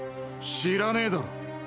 知らねえだろ。